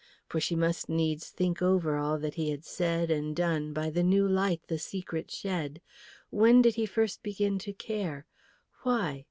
For she must needs think over all that he had said and done by the new light the secret shed. When did he first begin to care? Why?